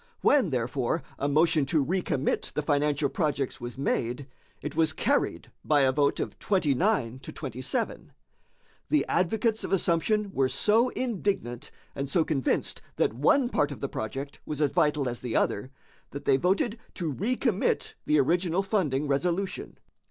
When, therefore, a motion to recommit the financial projects was made, it was carried by a vote of 29 to 27. The advocates of assumption were so indignant, and so convinced that one part of the project was as vital as the other, that they voted to recommit the original funding resolution.